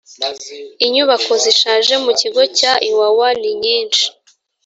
inyubako zishaje mu kigo cya iwawa ninyinshi